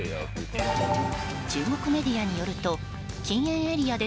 中国メディアによると禁煙エリアで